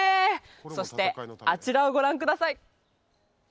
そしてあちらをご覧ください